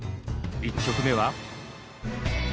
１曲目は。